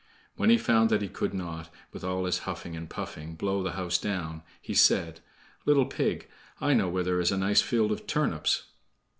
When he found that he could not, with all his huffing and puffing, blow the house down, he said: "Little pig, I know where there is a nice field of turnips."